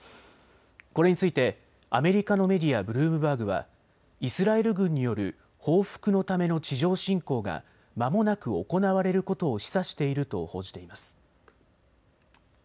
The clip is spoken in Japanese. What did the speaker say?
これについてアメリカのメディア、ブルームバーグはイスラエル軍による報復のための地上侵攻がまもなく行われることを示唆していると報じています。